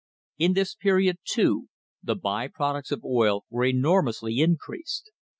In this period, too, the by products of oil were enormously increased.